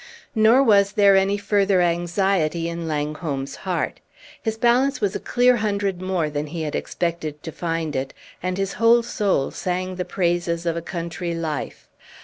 Nor was there any further anxiety in Langholm's heart. His balance was a clear hundred more than he had expected to find it, and his whole soul sang the praises of a country life.